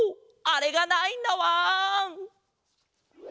あれがないんだわん！